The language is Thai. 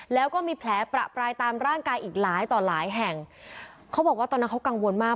แล้วก็มีแผลประปรายตามร่างกายอีกหลายต่อหลายแห่งเขาบอกว่าตอนนั้นเขากังวลมาก